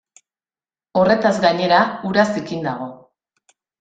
Horrezaz gainera, ura zikin dago.